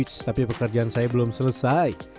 ex tapi pekerjaan saya belum selesai